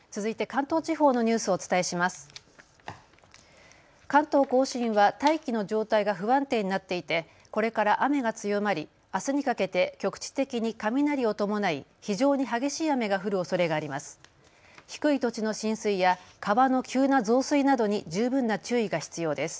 関東甲信は大気の状態が不安定になっていて、これから雨が強まりあすにかけて局地的に雷を伴い非常に激しい雨が降るおそれがあります。